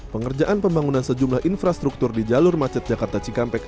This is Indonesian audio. pengerjaan pembangunan sejumlah infrastruktur di jalur macet jakarta cikampek